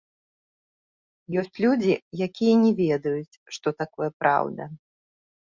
Ёсць людзі, якія не ведаюць, што такое праўда.